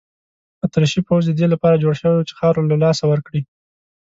اتریشي پوځ د دې لپاره جوړ شوی وو چې خاوره له لاسه ورکړي.